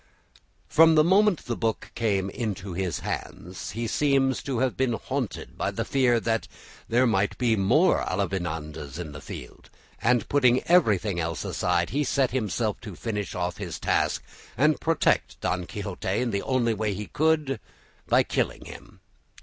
From the moment the book came into his hands he seems to have been haunted by the fear that there might be more Avellanedas in the field, and putting everything else aside, he set himself to finish off his task and protect Don Quixote in the only way he could, by killing him.